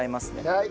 はい。